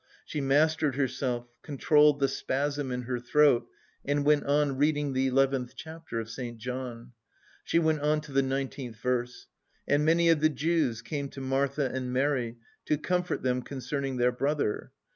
She mastered herself, controlled the spasm in her throat and went on reading the eleventh chapter of St. John. She went on to the nineteenth verse: "And many of the Jews came to Martha and Mary to comfort them concerning their brother.